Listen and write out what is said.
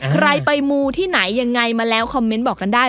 ใครไปมูที่ไหนยังไงมาแล้วคอมเมนต์บอกกันได้